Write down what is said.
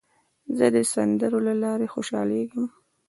زه د سندرو له لارې خوشحالېږم.